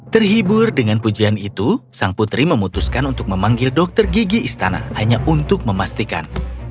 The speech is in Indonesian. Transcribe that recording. terhibur dengan pujian itu sang putri memutuskan untuk memanggil dokter gigi istana hanya untuk memastikan